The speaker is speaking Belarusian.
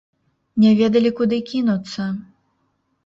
Не ведалі, куды кінуцца.